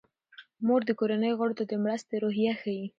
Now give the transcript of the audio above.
مور د کورنۍ غړو ته د مرستې روحیه ښيي.